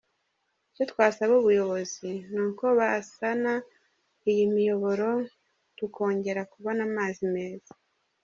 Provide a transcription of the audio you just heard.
Icyo twasaba ubuyobozi ni uko basana iyi miyoboro tukongera kubona amazi meza”.